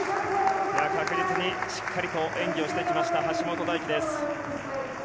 しっかりと演技をしてきた橋本大輝です。